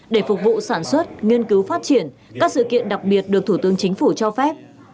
để phục vụ sản xuất nghiên cứu phát triển các sự kiện đặc biệt được thủ tướng chính phủ cho phép